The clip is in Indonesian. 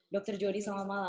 dr joni selamat malam